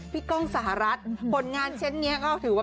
ผลงานเช่นนี้ก็ถือว่า